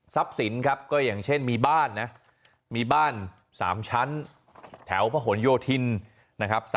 สินครับก็อย่างเช่นมีบ้านนะมีบ้าน๓ชั้นแถวพระหลโยธินนะครับ